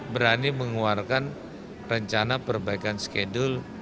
berani mengeluarkan rencana perbaikan skedul